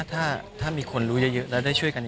ถ้ามีคนรู้เยอะและช่วยกัน